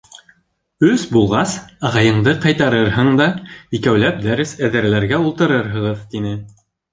Өс булғас, ағайыңды ҡайтарырһың да, икәүләп дәрес әҙерләргә ултырырһығыҙ, тине.